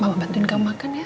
bawa bantuin kamu makan ya